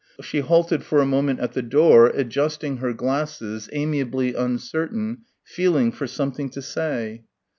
She halted for a moment at the door, adjusting her glasses, amiably uncertain, feeling for something to say.